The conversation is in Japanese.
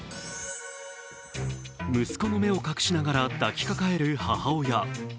息子の目を隠しながら抱きかかえる母親。